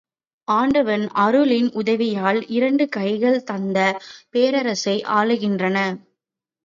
ஆண்டவன் அருளின் உதவியால், இரண்டு கைகள் இந்தப் பேரரசை ஆளுகின்றன.